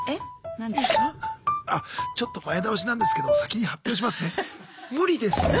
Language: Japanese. あちょっと前倒しなんですけども先に発表しますね。